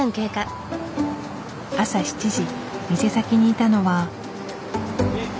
朝７時店先にいたのは。